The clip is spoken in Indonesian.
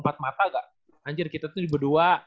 empat mata gak banjir kita tuh berdua